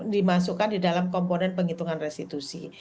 dimasukkan di dalam komponen penghitungan restitusi